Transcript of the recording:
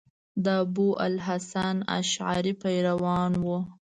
د ابو الحسن اشعري پیروان وو.